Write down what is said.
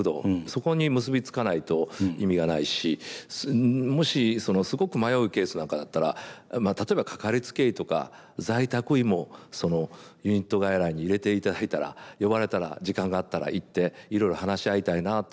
そこに結び付かないと意味がないしもしすごく迷うケースなんかだったら例えばかかりつけ医とか在宅医もユニット外来に入れていただいたら呼ばれたら時間があったら行っていろいろ話し合いたいなっていうふうに感じました。